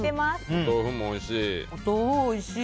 お豆腐もおいしい！